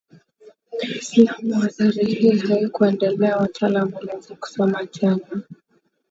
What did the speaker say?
Kiislamu athari hii haikuendelea Wataalamu walianza kusoma tena